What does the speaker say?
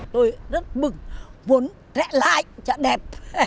tôi rất mừng muốn trẻ lại trẻ đẹp